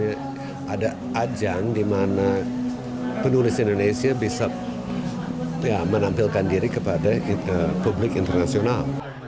jadi ada ajang di mana penulis indonesia bisa menampilkan diri kepada publik internasional